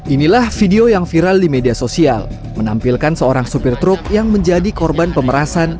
inilah video yang viral di media sosial menampilkan seorang sopir truk yang menjadi korban pemerasan